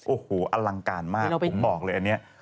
โอ้โหอลังการมากผมบอกเลยอันนี้